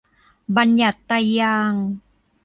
บัญญัติไตรยางค์